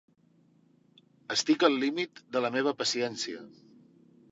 Estic al límit de la meva paciència.